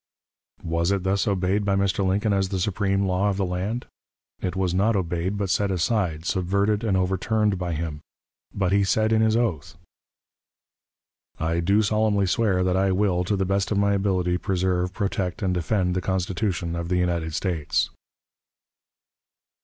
Was it thus obeyed by Mr. Lincoln as the supreme law of the land? It was not obeyed, but set aside, subverted, overturned by him. But he said in his oath: "I do solemnly swear that I will, to the best of my ability, preserve, protect, and defend the Constitution of the United States."